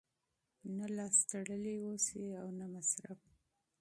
نه کنجوس اوسئ نه مسرف.